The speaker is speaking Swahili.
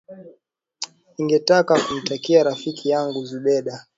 ningetaka kumtakia rafiki yangu zubeda